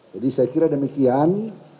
jadi saya kira demikian